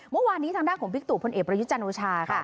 เมื่อวานนี้ทางด้านของบิ๊กตุพลเอกประยุทธ์จันโอชาค่ะ